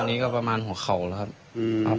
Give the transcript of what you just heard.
ตอนนี้ก็ประมาณหัวเข่าครับ